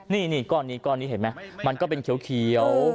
นี่ก้อนนี้เห็นไหมมันก็เป็นเขียว